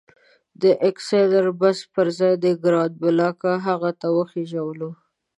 د اګادیر بس پر ځای د کزنبلاکه هغه ته وخېژولو.